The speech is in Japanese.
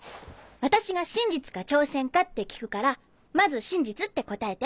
私が「真実か挑戦か？」って聞くからまず「真実」って答えて。